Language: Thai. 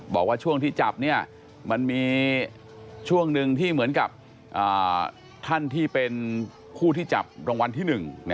บอกว่าช่วงที่จับมันมีช่วงหนึ่งที่เหมือนกับท่านที่เป็นผู้ที่จับรางวัลที่๑